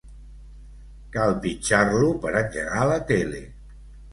Cal pitjar-lo per engegar la tele.